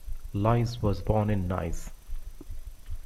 Lise was born in Nice.